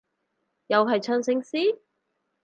又係唱聖詩？